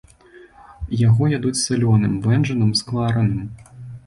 Яго ядуць салёным, вэнджаным, сквараным.